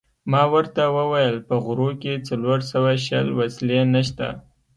ما ورته وویل: په غرو کې څلور سوه شل وسلې نشته.